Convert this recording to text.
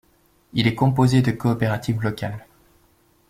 Il est composé de coopératives locales.